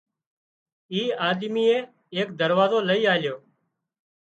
اي آڌميئي ايڪ دروازو لئي آليو